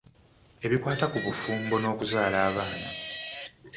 Ebikwata ku bufumbo n’okuzaala abaana.